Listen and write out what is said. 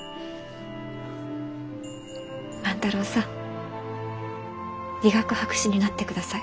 万太郎さん理学博士になってください。